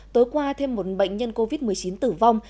tối qua thêm một bệnh nhân covid một mươi chín tử vong